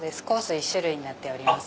１種類になってます。